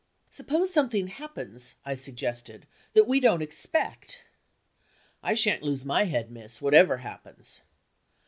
"Suppose something happens," I suggested, "that we don't expect?" "I shan't lose my head, miss, whatever happens."